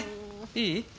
いい？